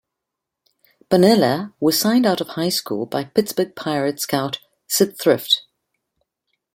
Bonilla was signed out of high school by Pittsburgh Pirates scout Syd Thrift.